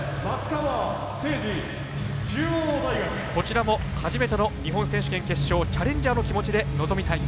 こちらも初めての日本選手権決勝チャレンジャーの気持ちで臨みたい。